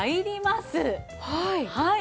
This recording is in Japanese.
はい。